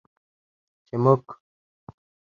چې موږ